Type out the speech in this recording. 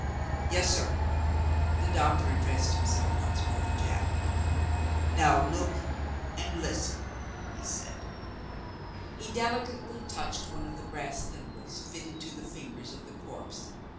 "Yes, sir." The doctor addressed himself once more to Jack. "Now look, and listen!" he said. He delicately touched one of the brass thimbles, fitted to the fingers of the corpse.